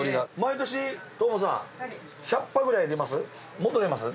もっと出ます？